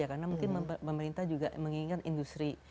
karena mungkin pemerintah juga menginginkan industri